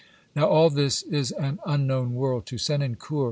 Now all this is an unknown world 1 to Senancour